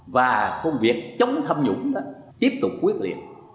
và công việc chống thâm nhũng đó tiếp tục quyết liệt